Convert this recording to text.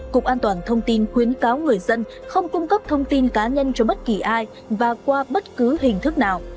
cục an toàn thông tin khuyến cáo người dân không cung cấp thông tin cá nhân cho bất kỳ ai và qua bất cứ hình thức nào